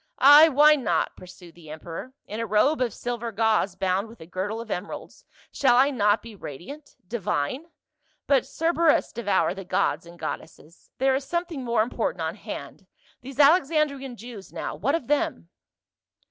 "Ay, why not," pursued the emperor, "in a robe of silver gauze bound with a girdle of emeralds, shall I not be radiant — divine ? But Cerberus devour the gods and goddesses ! there is something more im portant on hand, these Alexandrian Jews now, what of them